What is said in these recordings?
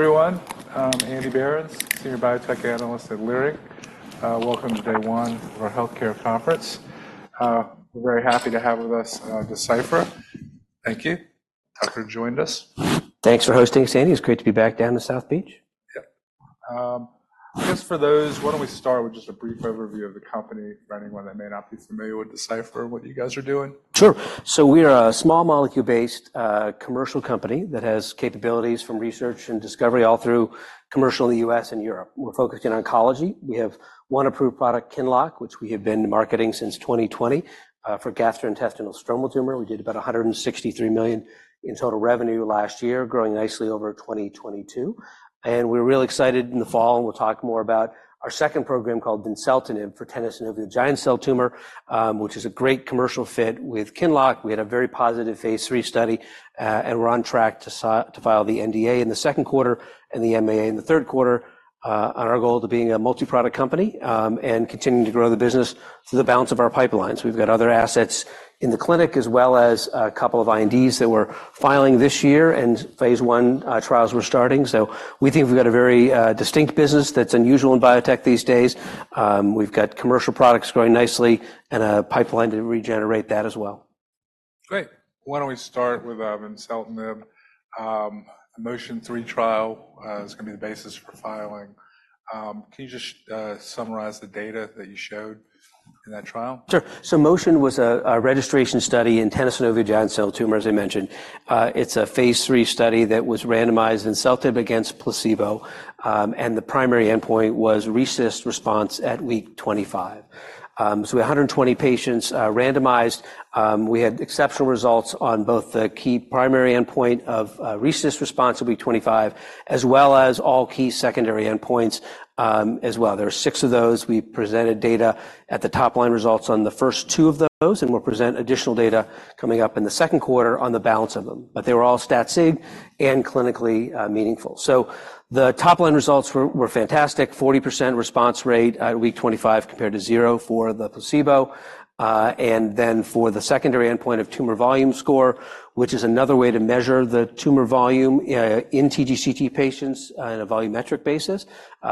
Everyone, I'm Andrew Berens, Senior Research Analyst at Leerink Partners. Welcome to day one of our healthcare conference. We're very happy to have with us Deciphera. Thank you. Tucker Kelly joined us. Thanks for hosting, Andrew. It's great to be back down to South Beach. Yep. I guess for those, why don't we start with just a brief overview of the company for anyone that may not be familiar with Deciphera and what you guys are doing? Sure. So we're a small molecule-based commercial company that has capabilities from research and discovery all through commercial in the U.S. and Europe. We're focused on oncology. We have one approved product, QINLOCK, which we have been marketing since 2020 for gastrointestinal stromal tumor. We did about $163 million in total revenue last year, growing nicely over 2022. And we're really excited in the fall, and we'll talk more about our second program called vimseltinib for tenosynovial giant cell tumor, which is a great commercial fit with QINLOCK. We had a very positive phase III study, and we're on track to file the NDA in the second quarter and the MAA in the third quarter on our goal to being a multi-product company and continuing to grow the business through the balance of our pipelines. We've got other assets in the clinic as well as a couple of INDs that we're filing this year, and phase I trials were starting. So we think we've got a very distinct business that's unusual in biotech these days. We've got commercial products growing nicely and a pipeline to regenerate that as well. Great. Why don't we start with vimseltinib? The MOTION trial is going to be the basis for filing. Can you just summarize the data that you showed in that trial? Sure. So MOTION was a registration study in tenosynovial giant cell tumor, as I mentioned. It's a phase III study that was randomized vimseltinib against placebo, and the primary endpoint was RECIST response at week 25. So we had 120 patients randomized. We had exceptional results on both the key primary endpoint of RECIST response at week 25 as well as all key secondary endpoints as well. There were six of those. We presented data at the top line results on the first two of those, and we'll present additional data coming up in the second quarter on the balance of them. But they were all stat sig and clinically meaningful. So the top line results were fantastic, 40% response rate at week 25 compared to zero for the placebo. And then for the secondary endpoint of tumor volume score, which is another way to measure the tumor volume in TGCT patients on a volumetric basis,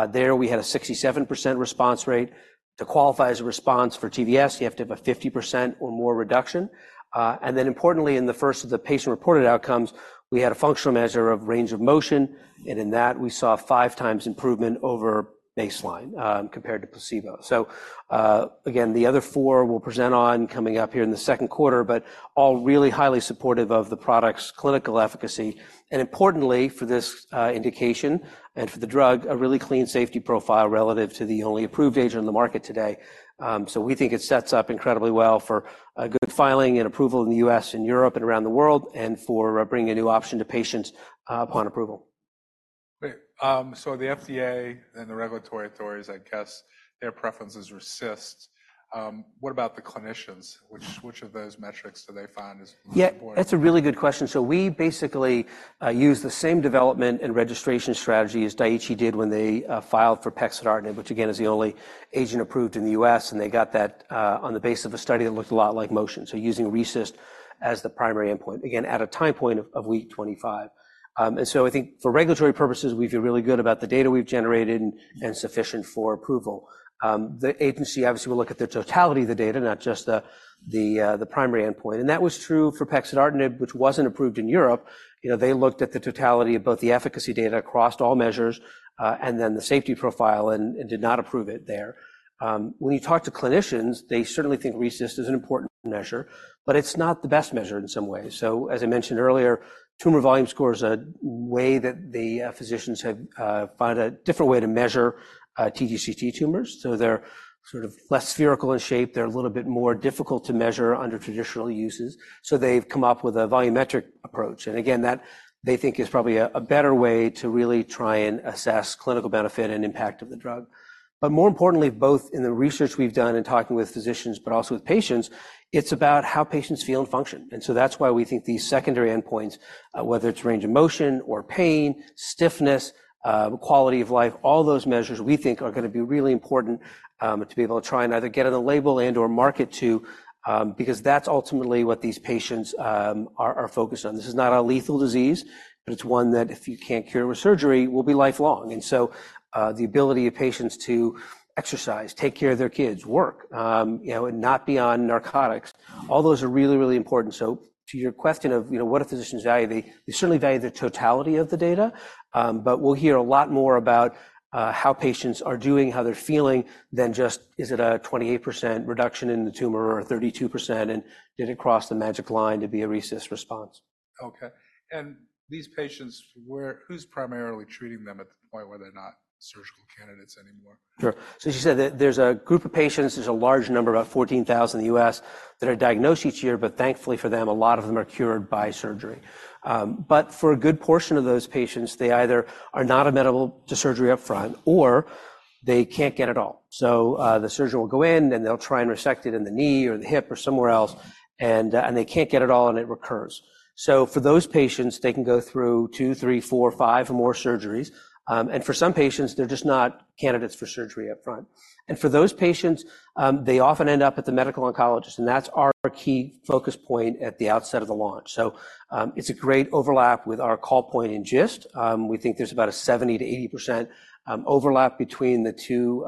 there we had a 67% response rate. To qualify as a response for TVS, you have to have a 50% or more reduction. And then importantly, in the first of the patient-reported outcomes, we had a functional measure of range of motion, and in that we saw five times improvement over baseline compared to placebo. So again, the other four we'll present on coming up here in the second quarter, but all really highly supportive of the product's clinical efficacy. And importantly for this indication and for the drug, a really clean safety profile relative to the only approved agent on the market today. We think it sets up incredibly well for good filing and approval in the U.S. and Europe and around the world, and for bringing a new option to patients upon approval. Great. So the FDA and the regulatory authorities, I guess their preference is RECIST. What about the clinicians? Which of those metrics do they find is important? Yeah, that's a really good question. So we basically use the same development and registration strategy as Daiichi did when they filed for pexidartinib, which again is the only agent approved in the U.S., and they got that on the basis of a study that looked a lot like MOTION. So using RECIST as the primary endpoint, again, at a time point of week 25. And so I think for regulatory purposes, we feel really good about the data we've generated and sufficient for approval. The agency obviously will look at the totality of the data, not just the primary endpoint. And that was true for pexidartinib, which wasn't approved in Europe. They looked at the totality of both the efficacy data across all measures and then the safety profile and did not approve it there. When you talk to clinicians, they certainly think RECIST is an important measure, but it's not the best measure in some ways. As I mentioned earlier, tumor volume score is a way that the physicians have found a different way to measure TGCT tumors. They're sort of less spherical in shape. They're a little bit more difficult to measure under traditional RECIST. They've come up with a volumetric approach. Again, that they think is probably a better way to really try and assess clinical benefit and impact of the drug. But more importantly, both in the research we've done and talking with physicians, but also with patients, it's about how patients feel and function. And so that's why we think these secondary endpoints, whether it's range of motion or pain, stiffness, quality of life, all those measures we think are going to be really important to be able to try and either get on the label and/or market to, because that's ultimately what these patients are focused on. This is not a lethal disease, but it's one that if you can't cure with surgery, will be lifelong. And so the ability of patients to exercise, take care of their kids, work, and not be on narcotics, all those are really, really important. So to your question of what do physicians value, they certainly value the totality of the data. But we'll hear a lot more about how patients are doing, how they're feeling than just, is it a 28% reduction in the tumor or a 32%, and did it cross the magic line to be a RECIST response? Okay. And these patients, who's primarily treating them at the point where they're not surgical candidates anymore? Sure. So as you said, there's a group of patients, there's a large number, about 14,000 in the U.S., that are diagnosed each year, but thankfully for them, a lot of them are cured by surgery. But for a good portion of those patients, they either are not amenable to surgery upfront or they can't get it all. So the surgeon will go in and they'll try and resect it in the knee or the hip or somewhere else, and they can't get it all and it recurs. So for those patients, they can go through 2, 3, 4, 5, or more surgeries. And for some patients, they're just not candidates for surgery upfront. And for those patients, they often end up at the medical oncologist. And that's our key focus point at the outset of the launch. So it's a great overlap with our call point in GIST. We think there's about a 70%-80% overlap between the two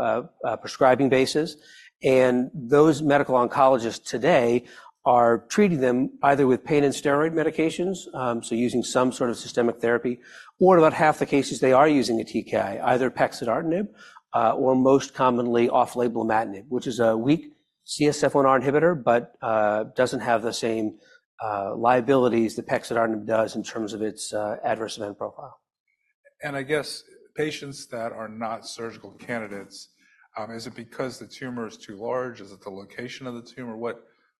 prescribing bases. Those medical oncologists today are treating them either with pain and steroid medications, so using some sort of systemic therapy, or in about half the cases, they are using a TKI, either pexidartinib or most commonly off-label imatinib, which is a weak CSF1R inhibitor, but doesn't have the same liabilities that pexidartinib does in terms of its adverse event profile. I guess patients that are not surgical candidates, is it because the tumor is too large? Is it the location of the tumor?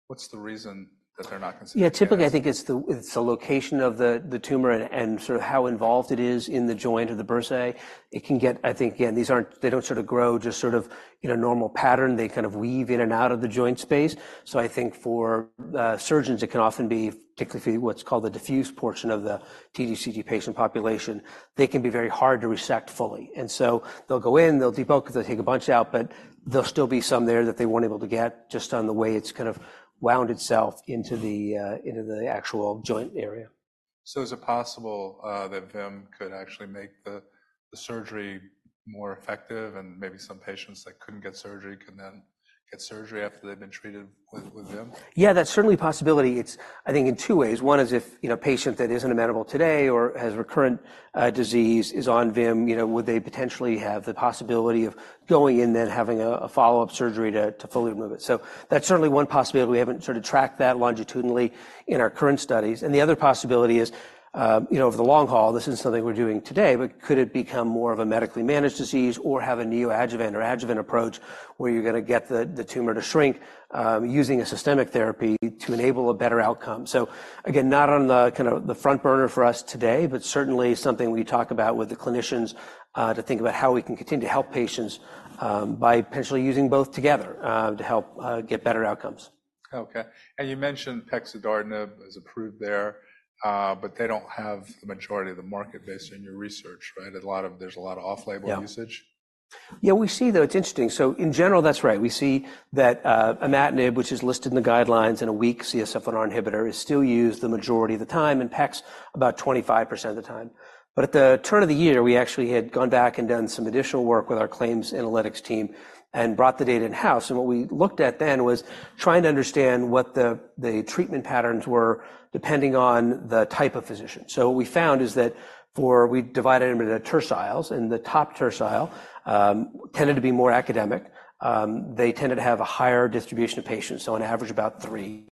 What's the reason that they're not considered? Yeah, typically I think it's the location of the tumor and sort of how involved it is in the joint or the bursae. It can get, I think, again, they don't sort of grow just sort of in a normal pattern. They kind of weave in and out of the joint space. So I think for surgeons, it can often be, particularly for what's called the diffuse portion of the TGCT patient population, they can be very hard to resect fully. And so they'll go in, they'll debulk, they'll take a bunch out, but there'll still be some there that they weren't able to get just on the way it's kind of wound itself into the actual joint area. Is it possible that vim could actually make the surgery more effective and maybe some patients that couldn't get surgery can then get surgery after they've been treated with vim? Yeah, that's certainly a possibility. It's, I think, in two ways. One is if a patient that isn't amenable today or has recurrent disease is on vim, would they potentially have the possibility of going in then having a follow-up surgery to fully remove it? So that's certainly one possibility. We haven't sort of tracked that longitudinally in our current studies. And the other possibility is, over the long haul, this isn't something we're doing today, but could it become more of a medically managed disease or have a neoadjuvant or adjuvant approach where you're going to get the tumor to shrink using a systemic therapy to enable a better outcome? So again, not on the kind of the front burner for us today, but certainly something we talk about with the clinicians to think about how we can continue to help patients by potentially using both together to help get better outcomes. Okay. And you mentioned pexidartinib is approved there, but they don't have the majority of the market based on your research, right? There's a lot of off-label usage. Yeah, we see though, it's interesting. So in general, that's right. We see that imatinib, which is listed in the guidelines and a weak CSF1R inhibitor, is still used the majority of the time and packs about 25% of the time. But at the turn of the year, we actually had gone back and done some additional work with our claims analytics team and brought the data in-house. And what we looked at then was trying to understand what the treatment patterns were depending on the type of physician. So what we found is that we divided them into terciles, and the top tercile tended to be more academic. They tended to have a higher distribution of patients, so on average about three.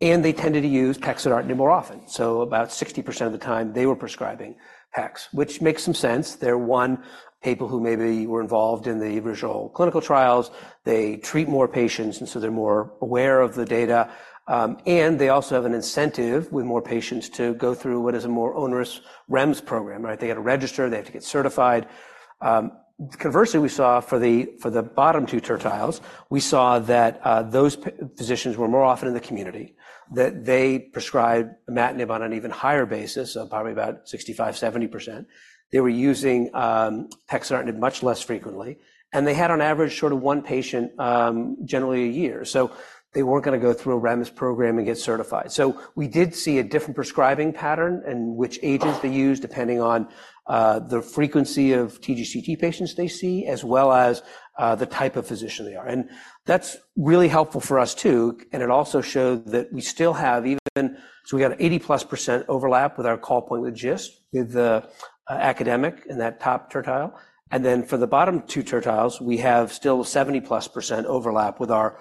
And they tended to use pexidartinib more often. So about 60% of the time they were prescribing pex, which makes some sense. They're one people who maybe were involved in the original clinical trials. They treat more patients, and so they're more aware of the data. And they also have an incentive with more patients to go through what is a more onerous REMS program, right? They got to register. They have to get certified. Conversely, we saw for the bottom two tertiles, we saw that those physicians were more often in the community, that they prescribed imatinib on an even higher basis of probably about 65%-70%. They were using pexidartinib much less frequently. And they had on average sort of one patient generally a year. So they weren't going to go through a REMS program and get certified. So we did see a different prescribing pattern and which agents they used depending on the frequency of TGCT patients they see, as well as the type of physician they are. That's really helpful for us too. It also showed that we still have even, so we got an 80+% overlap with our call point with GIST, with the academic in that top tertile. Then for the bottom two tertiles, we have still 70+% overlap with our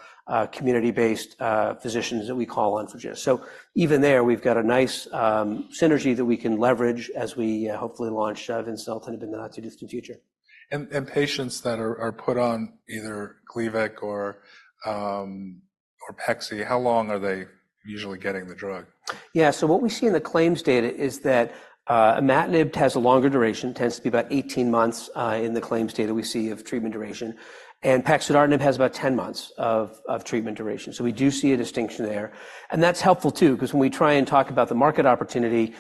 community-based physicians that we call on for GIST. Even there, we've got a nice synergy that we can leverage as we hopefully launch vimseltinib in the not too distant future. Patients that are put on either Gleevec or pexi, how long are they usually getting the drug? Yeah, so what we see in the claims data is that imatinib has a longer duration, tends to be about 18 months in the claims data we see of treatment duration. And pexidartinib has about 10 months of treatment duration. So we do see a distinction there. And that's helpful too, because when we try and talk about the market opportunity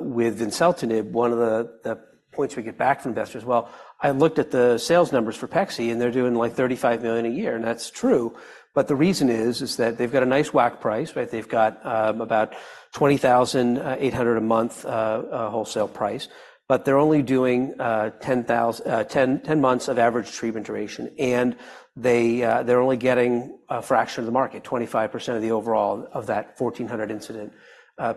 with vimseltinib, one of the points we get back from investors is, well, I looked at the sales numbers for Turalio and they're doing like $35 million a year. And that's true. But the reason is that they've got a nice WAC price, right? They've got about $20,800 a month wholesale price. But they're only doing 10 months of average treatment duration. And they're only getting a fraction of the market, 25% of the overall of that 1,400 incident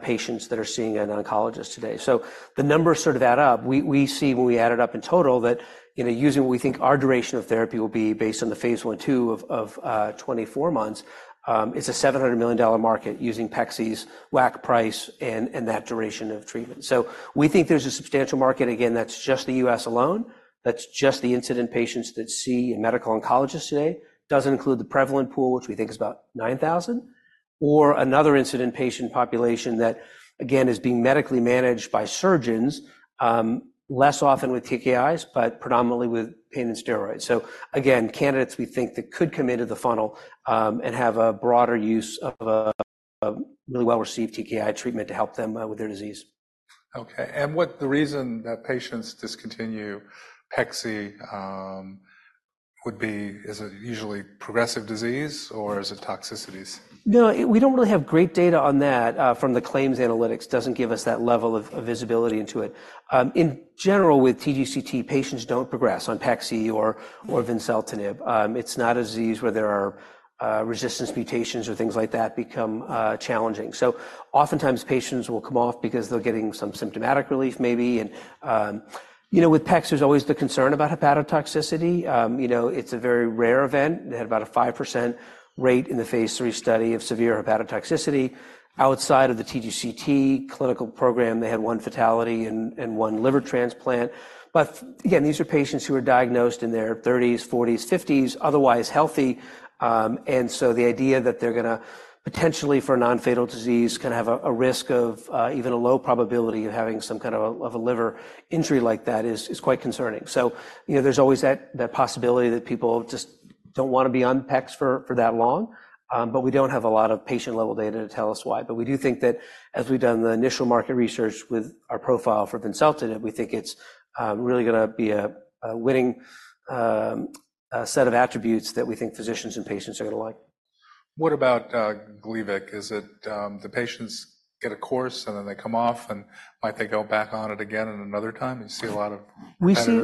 patients that are seeing an oncologist today. So the numbers sort of add up. We see when we add it up in total that using what we think our duration of therapy will be based on the phase I and 2 of 24 months, it's a $700 million market using pexidartinib's WAC price and that duration of treatment. So we think there's a substantial market, again, that's just the U.S. alone. That's just the incident patients that see a medical oncologist today. Doesn't include the prevalent pool, which we think is about 9,000. Or another incident patient population that, again, is being medically managed by surgeons, less often with TKIs, but predominantly with pain and steroids. So again, candidates we think that could come into the funnel and have a broader use of a really well-received TKI treatment to help them with their disease. Okay. And what the reason that patients discontinue pexidartinib would be, is it usually progressive disease or is it toxicities? No, we don't really have great data on that from the claims analytics. Doesn't give us that level of visibility into it. In general, with TGCT, patients don't progress on pexidartinib or vimseltinib. It's not a disease where there are resistance mutations or things like that become challenging. So oftentimes patients will come off because they're getting some symptomatic relief maybe. And with pexidartinib, there's always the concern about hepatotoxicity. It's a very rare event. They had about a 5% rate in the phase III study of severe hepatotoxicity. Outside of the TGCT clinical program, they had one fatality and one liver transplant. But again, these are patients who are diagnosed in their 30s, 40s, 50s, otherwise healthy. And so the idea that they're going to potentially for a non-fatal disease kind of have a risk of even a low probability of having some kind of a liver injury like that is quite concerning. So there's always that possibility that people just don't want to be on pexidartinib for that long. But we don't have a lot of patient-level data to tell us why. But we do think that as we've done the initial market research with our profile for vimseltinib, we think it's really going to be a winning set of attributes that we think physicians and patients are going to like. What about Gleevec? Is it the patients get a course and then they come off and might they go back on it again another time? You see a lot of.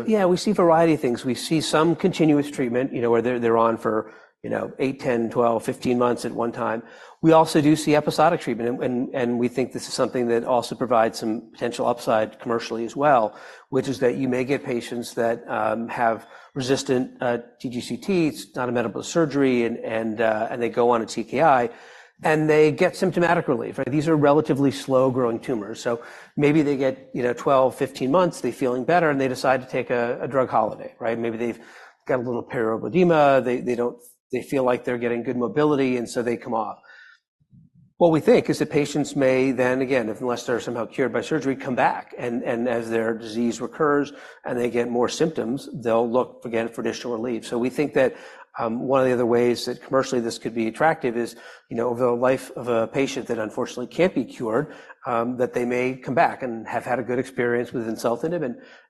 Yeah, we see a variety of things. We see some continuous treatment where they're on for 8, 10, 12, 15 months at one time. We also do see episodic treatment. And we think this is something that also provides some potential upside commercially as well, which is that you may get patients that have resistant TGCT. It's not amenable to surgery and they go on a TKI. And they get symptomatic relief, right? These are relatively slow-growing tumors. So maybe they get 12, 15 months, they're feeling better, and they decide to take a drug holiday, right? Maybe they've got a little periorbital edema, they feel like they're getting good mobility, and so they come off. What we think is that patients may then, again, unless they're somehow cured by surgery, come back. And as their disease recurs and they get more symptoms, they'll look again for additional relief. So we think that one of the other ways that commercially this could be attractive is over the life of a patient that unfortunately can't be cured, that they may come back and have had a good experience with vimseltinib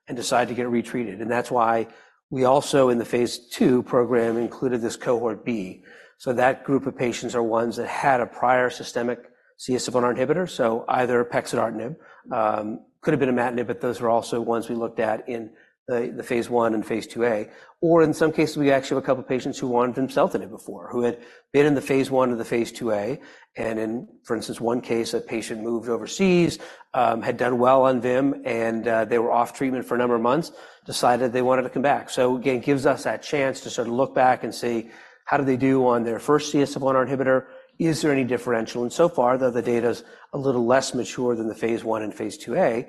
and decide to get retreated. And that's why we also in the phase II program included this cohort B. So that group of patients are ones that had a prior systemic CSF1R inhibitor. So either pexidartinib or imatinib, but those were also ones we looked at in the phase I and phase II A. Or in some cases, we actually have a couple of patients who wanted vimseltinib before, who had been in the phase I of the phase IIa. In, for instance, one case, a patient moved overseas, had done well on Vim, and they were off treatment for a number of months, decided they wanted to come back. So again, it gives us that chance to sort of look back and see how did they do on their first CSF1R inhibitor? Is there any differential? And so far, though the data is a little less mature than the phase I and phase IIa,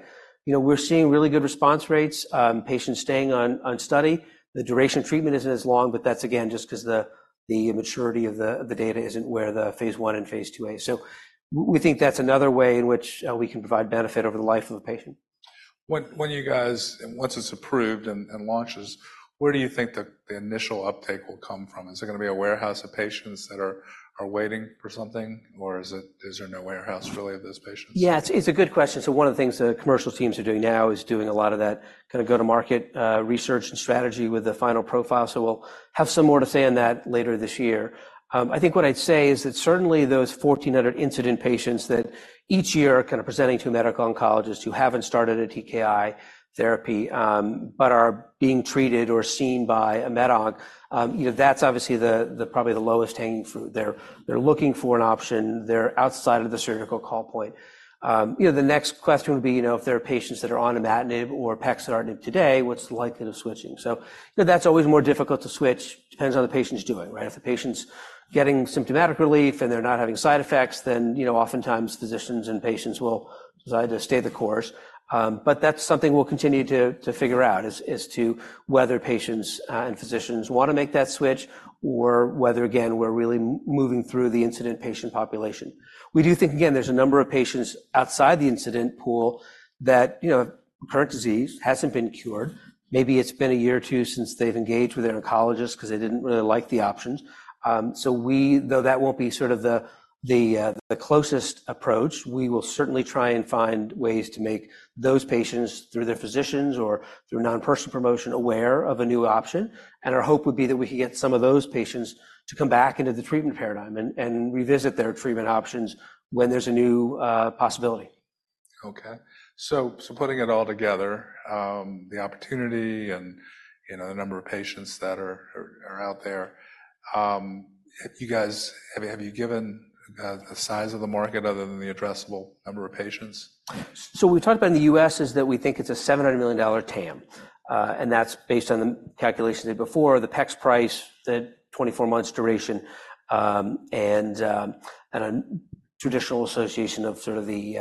we're seeing really good response rates, patients staying on study. The duration of treatment isn't as long, but that's again just because the maturity of the data isn't where the phase I and phase IIa. So we think that's another way in which we can provide benefit over the life of a patient. When you guys, once it's approved and launches, where do you think the initial uptake will come from? Is it going to be a warehouse of patients that are waiting for something, or is there no warehouse really of those patients? Yeah, it's a good question. So one of the things the commercial teams are doing now is doing a lot of that kind of go-to-market research and strategy with the final profile. So we'll have some more to say on that later this year. I think what I'd say is that certainly those 1,400 incident patients that each year are kind of presenting to a medical oncologist who haven't started a TKI therapy, but are being treated or seen by a med onc, that's obviously probably the lowest hanging fruit. They're looking for an option. They're outside of the surgical call point. The next question would be if there are patients that are on an imatinib or pexidartinib today, what's the likelihood of switching? So that's always more difficult to switch. Depends on the patient's doing, right? If the patient's getting symptomatic relief and they're not having side effects, then oftentimes physicians and patients will decide to stay the course. But that's something we'll continue to figure out is whether patients and physicians want to make that switch or whether, again, we're really moving through the incident patient population. We do think, again, there's a number of patients outside the incident pool that current disease hasn't been cured. Maybe it's been a year or two since they've engaged with their oncologist because they didn't really like the options. So we, though that won't be sort of the closest approach, we will certainly try and find ways to make those patients through their physicians or through nonpersonal promotion aware of a new option. Our hope would be that we could get some of those patients to come back into the treatment paradigm and revisit their treatment options when there's a new possibility. Okay. So putting it all together, the opportunity and the number of patients that are out there, have you given the size of the market other than the addressable number of patients? So we've talked about in the U.S. is that we think it's a $700 million TAM. And that's based on the calculations they did before, the WAC price, the 24-month duration, and a traditional association of sort of the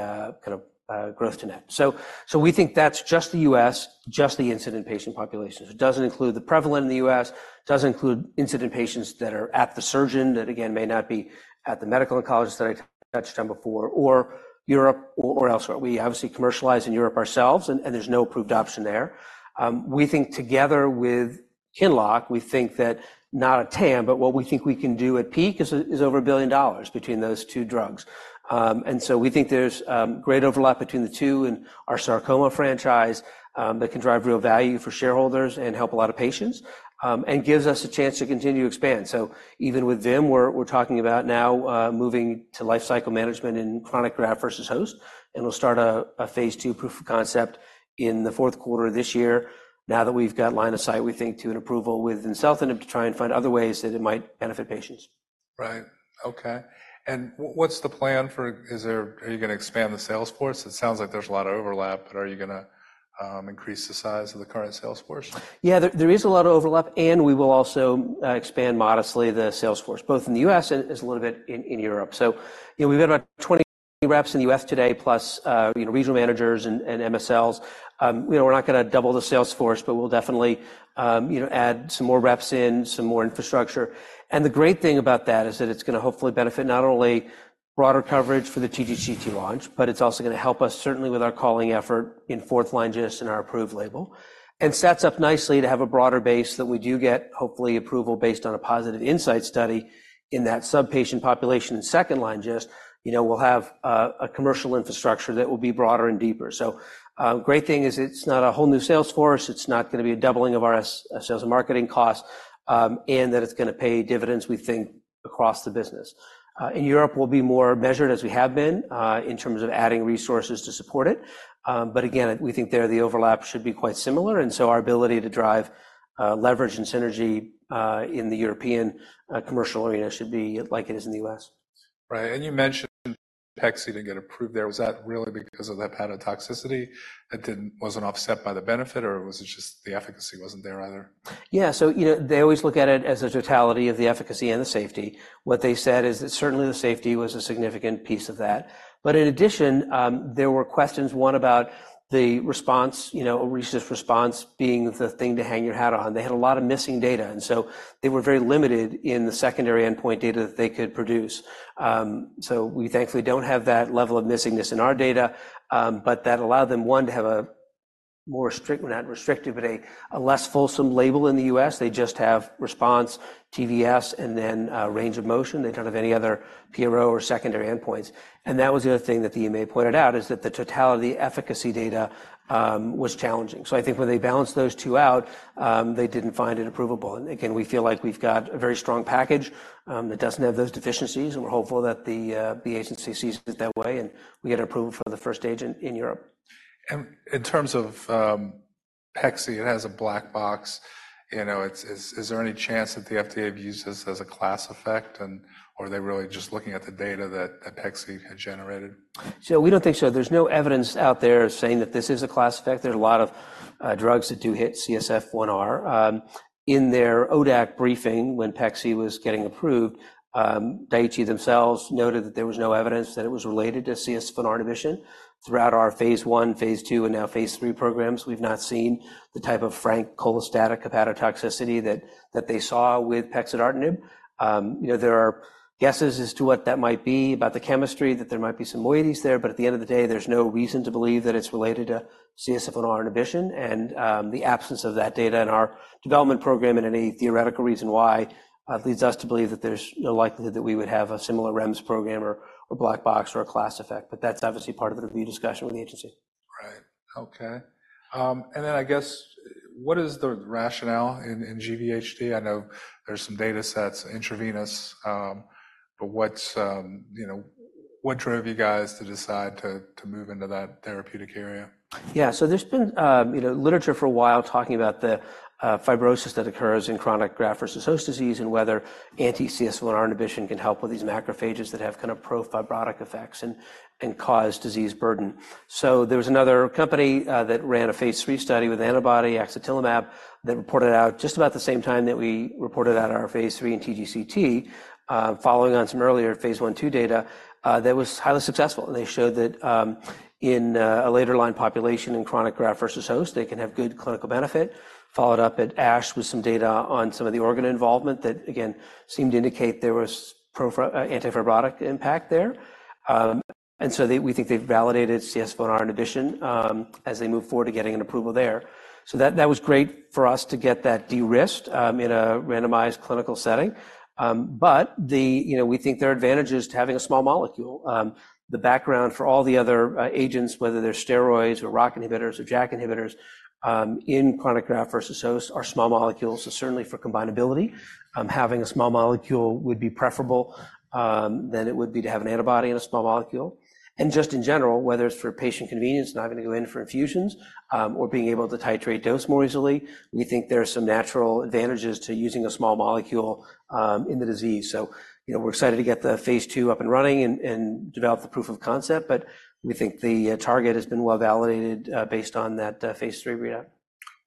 kind of growth to net. So we think that's just the U.S., just the incident patient population. So it doesn't include the prevalent in the U.S., doesn't include incident patients that are at the surgeon that, again, may not be at the medical oncologist that I touched on before or Europe or elsewhere. We obviously commercialize in Europe ourselves, and there's no approved option there. We think together with QINLOCK, we think that not a TAM, but what we think we can do at peak is over $1 billion between those two drugs. So we think there's great overlap between the two and our sarcoma franchise that can drive real value for shareholders and help a lot of patients and gives us a chance to continue to expand. So even with Vim, we're talking about now moving to lifecycle management in chronic graft-versus-host. And we'll start a phase II proof of concept in the fourth quarter of this year. Now that we've got line of sight, we think to an approval with vimseltinib to try and find other ways that it might benefit patients. Right. Okay. And what's the plan? Are you going to expand the sales force? It sounds like there's a lot of overlap, but are you going to increase the size of the current sales force? Yeah, there is a lot of overlap, and we will also expand modestly the sales force, both in the U.S. and a little bit in Europe. So we've got about 20 reps in the U.S. today, plus regional managers and MSLs. We're not going to double the sales force, but we'll definitely add some more reps in, some more infrastructure. And the great thing about that is that it's going to hopefully benefit not only broader coverage for the TGCT launch, but it's also going to help us certainly with our calling effort in fourth-line GIST and our approved label. And sets up nicely to have a broader base that we do get hopefully approval based on a positive INSIGHT study in that sub-patient population in second-line GIST, we'll have a commercial infrastructure that will be broader and deeper. So, great thing is, it's not a whole new sales force. It's not going to be a doubling of our sales and marketing costs and that it's going to pay dividends, we think, across the business. In Europe, we'll be more measured as we have been in terms of adding resources to support it. But again, we think there the overlap should be quite similar. And so our ability to drive leverage and synergy in the European commercial arena should be like it is in the U.S. Right. And you mentioned pexidartinib didn't get approved there. Was that really because of the hepatotoxicity? It wasn't offset by the benefit, or was it just the efficacy wasn't there either? Yeah. So they always look at it as a totality of the efficacy and the safety. What they said is that certainly the safety was a significant piece of that. But in addition, there were questions, one about the response, a resistance response being the thing to hang your hat on. They had a lot of missing data. And so they were very limited in the secondary endpoint data that they could produce. So we thankfully don't have that level of missingness in our data. But that allowed them, one, to have a more strict, not restrictive, but a less fulsome label in the U.S. They just have response, TVS, and then range of motion. They don't have any other PRO or secondary endpoints. And that was the other thing that the EMA pointed out is that the totality efficacy data was challenging. I think when they balanced those two out, they didn't find it approvable. Again, we feel like we've got a very strong package that doesn't have those deficiencies. We're hopeful that the agency sees it that way and we get approval for the first agent in Europe. In terms of pexidartinib, it has a black box. Is there any chance that the FDA views this as a class effect, or are they really just looking at the data that pexidartinib had generated? So we don't think so. There's no evidence out there saying that this is a class effect. There's a lot of drugs that do hit CSF1R. In their ODAC briefing when pexidartinib was getting approved, Daiichi themselves noted that there was no evidence that it was related to CSF1R inhibition. Throughout our phase I, phase II, and now phase III programs, we've not seen the type of frank cholestatic hepatotoxicity that they saw with pexidartinib. There are guesses as to what that might be about the chemistry, that there might be some moieties there. But at the end of the day, there's no reason to believe that it's related to CSF1R inhibition. And the absence of that data in our development program and any theoretical reason why leads us to believe that there's no likelihood that we would have a similar REMS program or black box or a class effect. But that's obviously part of the review discussion with the agency. Right. Okay. And then I guess what is the rationale in GVHD? I know there's some data sets intravenous. But what drove you guys to decide to move into that therapeutic area? Yeah. So there's been literature for a while talking about the fibrosis that occurs in chronic graft-versus-host disease and whether anti-CSF1R inhibition can help with these macrophages that have kind of profibrotic effects and cause disease burden. So there was another company that ran a phase III study with antibody axatilimab that reported out just about the same time that we reported out our phase III in TGCT, following on some earlier phase I/2 data that was highly successful. And they showed that in a later line population in chronic graft-versus-host, they can have good clinical benefit. Followed up at ASH with some data on some of the organ involvement that, again, seemed to indicate there was antifibrotic impact there. And so we think they've validated CSF1R inhibition as they move forward to getting an approval there. So that was great for us to get that de-risked in a randomized clinical setting. But we think there are advantages to having a small molecule. The background for all the other agents, whether they're steroids or ROCK inhibitors or JAK inhibitors in chronic graft-versus-host, are small molecules. So certainly for combinability, having a small molecule would be preferable than it would be to have an antibody in a small molecule. And just in general, whether it's for patient convenience, not having to go in for infusions, or being able to titrate dose more easily, we think there are some natural advantages to using a small molecule in the disease. So we're excited to get the phase II up and running and develop the proof of concept. But we think the target has been well validated based on that phase III readout.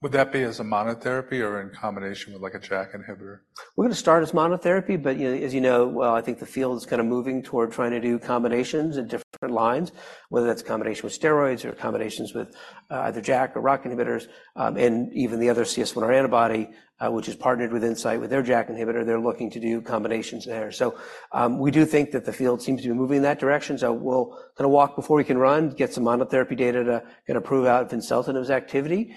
Would that be as a monotherapy or in combination with like a JAK inhibitor? We're going to start as monotherapy. But as you know, I think the field is kind of moving toward trying to do combinations in different lines, whether that's combination with steroids or combinations with either JAK or ROCK inhibitors. And even the other CSF1R antibody, which is partnered with Incyte with their JAK inhibitor, they're looking to do combinations there. So we do think that the field seems to be moving in that direction. So we'll kind of walk before we can run, get some monotherapy data to kind of prove out vimseltinib's activity,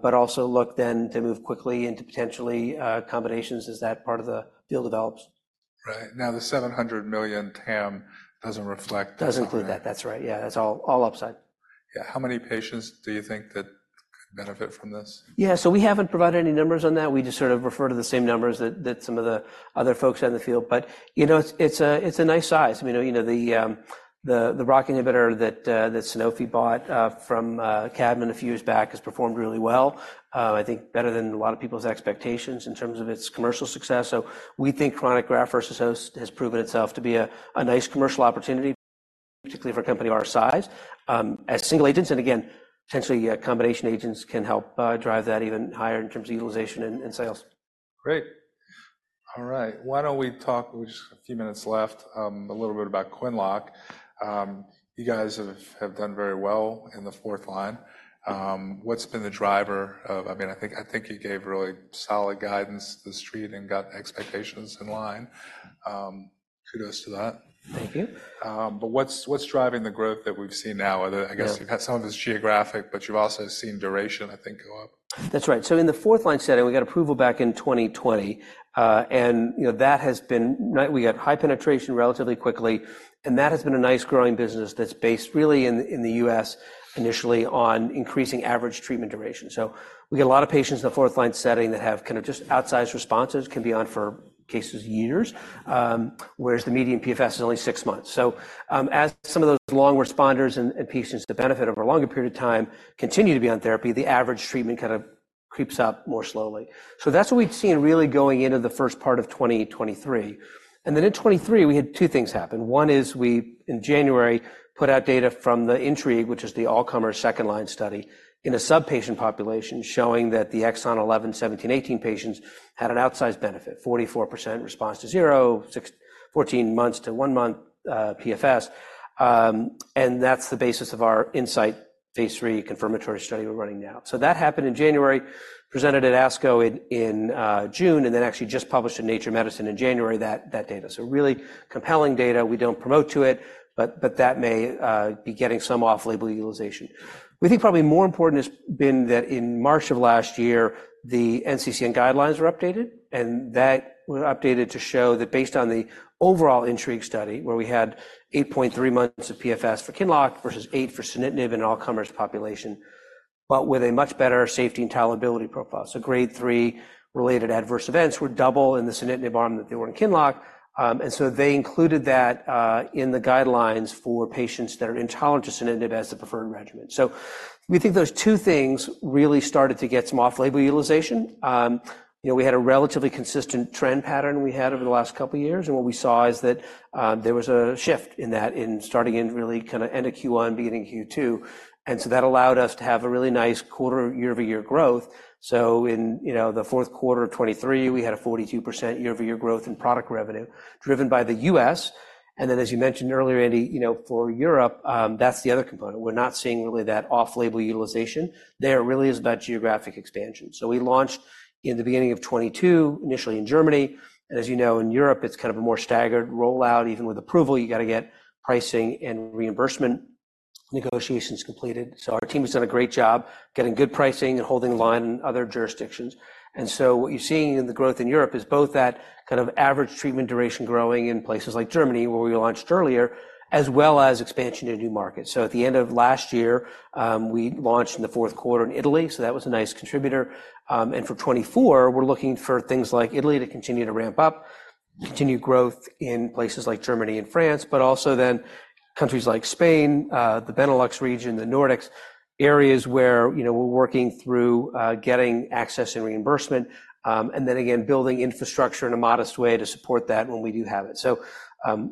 but also look then to move quickly into potentially combinations as that part of the field develops. Right. Now, the $700 million TAM doesn't reflect the. Doesn't include that. That's right. Yeah. That's all upside. Yeah. How many patients do you think that could benefit from this? Yeah. So we haven't provided any numbers on that. We just sort of refer to the same numbers that some of the other folks out in the field. But it's a nice size. I mean, the ROCK inhibitor that Sanofi bought from Kadmon a few years back has performed really well, I think better than a lot of people's expectations in terms of its commercial success. So we think chronic graft-versus-host has proven itself to be a nice commercial opportunity, particularly for a company our size. As single agents, and again, potentially combination agents can help drive that even higher in terms of utilization and sales. Great. All right. Why don't we talk? We've just got a few minutes left, a little bit about QINLOCK. You guys have done very well in the fourth line. What's been the driver of? I mean, I think you gave really solid guidance to the street and got expectations in line. Kudos to that. Thank you. What's driving the growth that we've seen now? I guess you've had some of this geographic, but you've also seen duration, I think, go up. That's right. So in the fourth-line setting, we got approval back in 2020. And that has been we got high penetration relatively quickly. And that has been a nice growing business that's based really in the U.S. initially on increasing average treatment duration. So we get a lot of patients in the fourth-line setting that have kind of just outsized responses, can be on for cases years, whereas the median PFS is only six months. So as some of those long responders and patients that benefit over a longer period of time continue to be on therapy, the average treatment kind of creeps up more slowly. So that's what we'd seen really going into the first part of 2023. And then in 2023, we had two things happen. One is we in January put out data from the INTRIGUE, which is the all-comers second-line study, in a sub-patient population showing that the exon 11/17/18 patients had an outsized benefit, 44% response to 0%, 14 months to 1 month PFS. And that's the basis of our INSIGHT phase III confirmatory study we're running now. So that happened in January, presented at ASCO in June, and then actually just published in Nature Medicine in January that data. So really compelling data. We don't promote to it, but that may be getting some off-label utilization. We think probably more important has been that in March of last year, the NCCN guidelines were updated. That was updated to show that based on the overall INTRIGUE study, where we had 8.3 months of PFS for QINLOCK versus 8 for sunitinib in an all-comers population, but with a much better safety and tolerability profile. So grade 3 related adverse events were double in the sunitinib arm that they were in QINLOCK. And so they included that in the guidelines for patients that are intolerant to sunitinib as the preferred regimen. So we think those two things really started to get some off-label utilization. We had a relatively consistent trend pattern we had over the last couple of years. And what we saw is that there was a shift in that in starting in really kind of end of Q1, beginning Q2. And so that allowed us to have a really nice quarter year-over-year growth. So in the fourth quarter of 2023, we had a 42% year-over-year growth in product revenue driven by the U.S. And then as you mentioned earlier, Andy, for Europe, that's the other component. We're not seeing really that off-label utilization. There really is about geographic expansion. So we launched in the beginning of 2022, initially in Germany. And as you know, in Europe, it's kind of a more staggered rollout. Even with approval, you got to get pricing and reimbursement negotiations completed. So our team has done a great job getting good pricing and holding the line in other jurisdictions. And so what you're seeing in the growth in Europe is both that kind of average treatment duration growing in places like Germany, where we launched earlier, as well as expansion to new markets. So at the end of last year, we launched in the fourth quarter in Italy. So that was a nice contributor. For 2024, we're looking for things like Italy to continue to ramp up, continue growth in places like Germany and France, but also then countries like Spain, the Benelux region, the Nordics, areas where we're working through getting access and reimbursement, and then again, building infrastructure in a modest way to support that when we do have it. So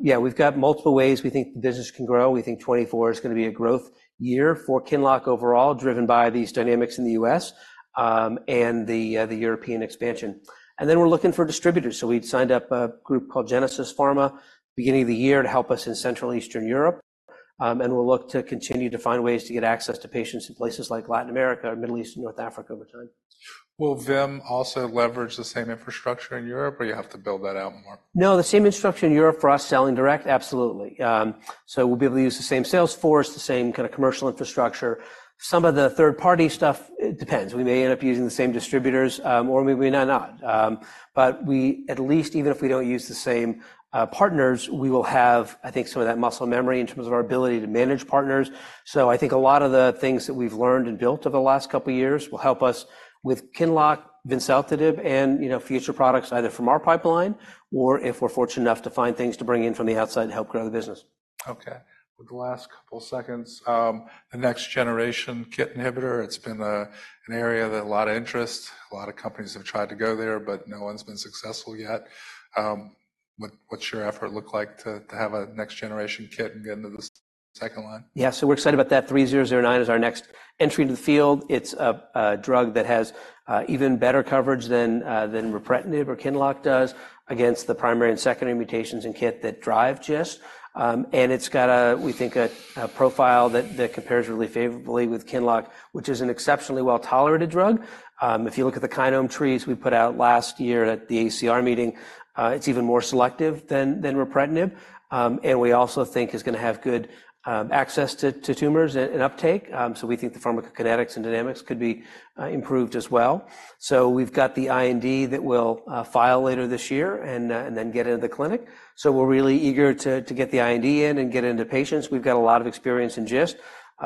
yeah, we've got multiple ways we think the business can grow. We think 2024 is going to be a growth year for QINLOCK overall, driven by these dynamics in the U.S. and the European expansion. And then we're looking for distributors. So we'd signed up a group called Genesis Pharma beginning of the year to help us in central and eastern Europe. And we'll look to continue to find ways to get access to patients in places like Latin America, Middle East, and North Africa over time. Will vimseltinib also leverage the same infrastructure in Europe, or you have to build that out more? No, the same infrastructure in Europe for us selling direct, absolutely. So we'll be able to use the same salesforce, the same kind of commercial infrastructure. Some of the third-party stuff, it depends. We may end up using the same distributors, or maybe not. But at least even if we don't use the same partners, we will have, I think, some of that muscle memory in terms of our ability to manage partners. So I think a lot of the things that we've learned and built over the last couple of years will help us with QINLOCK, vimseltinib, and future products either from our pipeline or if we're fortunate enough to find things to bring in from the outside to help grow the business. Okay. With the last couple of seconds, the next-generation KIT inhibitor, it's been an area with a lot of interest. A lot of companies have tried to go there, but no one's been successful yet. What's your effort look like to have a next-generation KIT and get into the second line? Yeah. So we're excited about that. 3009 is our next entry into the field. It's a drug that has even better coverage than ripretinib or QINLOCK does against the primary and secondary mutations in KIT that drive GIST. And it's got, we think, a profile that compares really favorably with QINLOCK, which is an exceptionally well-tolerated drug. If you look at the kinome trees we put out last year at the AACR meeting, it's even more selective than ripretinib. And we also think it's going to have good access to tumors and uptake. So we think the pharmacokinetics and pharmacodynamics could be improved as well. So we've got the IND that will file later this year and then get into the clinic. So we're really eager to get the IND in and get into patients. We've got a lot of experience in GIST. We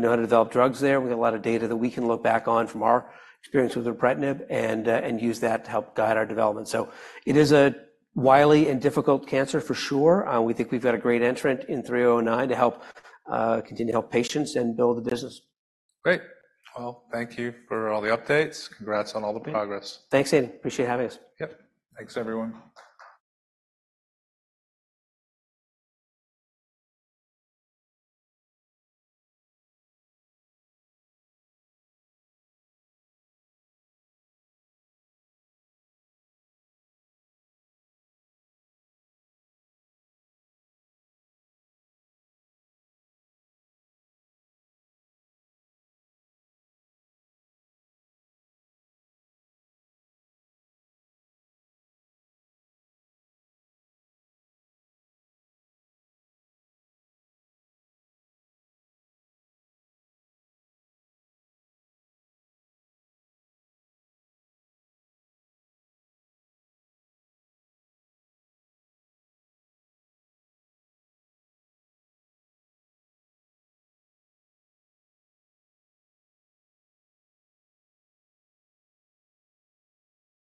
know how to develop drugs there. We got a lot of data that we can look back on from our experience with ripretinib and use that to help guide our development. So it is a wily and difficult cancer for sure. We think we've got a great entrant in 3009 to continue to help patients and build the business. Great. Well, thank you for all the updates. Congrats on all the progress. Thanks, Andy. Appreciate having us. Yep. Thanks, everyone.